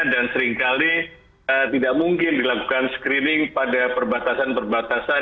dan seringkali tidak mungkin dilakukan screening pada perbatasan perbatasan